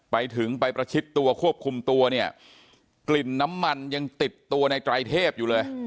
ไปถึงไปประชิดตัวควบคุมตัวเนี่ยกลิ่นน้ำมันยังติดตัวในไตรเทพอยู่เลย